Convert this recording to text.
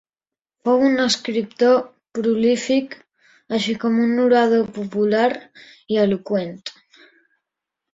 Fou un escriptor prolífic, així com un orador popular i eloqüent.